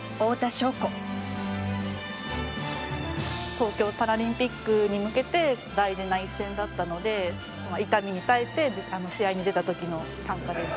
東京パラリンピックに向けて大事な一戦だったので痛みに耐えて試合に出た時の短歌です。